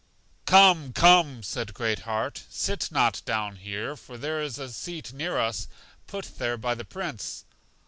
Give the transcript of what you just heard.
Come, Come! said Great heart, sit not down here; for there is a seat near us put there by the Prince.